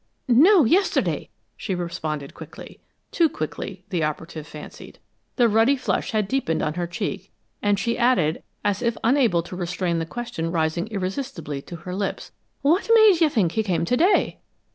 "No, yesterday," she responded quickly too quickly, the operative fancied. The ruddy flush had deepened on her cheek, and she added, as if unable to restrain the question rising irresistibly to her lips: "What made you think he came to day?"